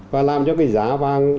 và làm cho cái giá vàng